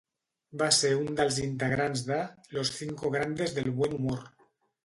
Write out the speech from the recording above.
Va ser un dels integrants de Los Cinco Grandes del Buen Humor.